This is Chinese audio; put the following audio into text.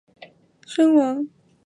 降伏的义长最终也自刃身亡。